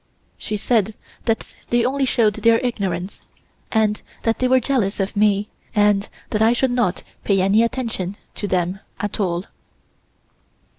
She said that they only showed their ignorance, and that they were jealous of me and I should not pay any attention to them at all.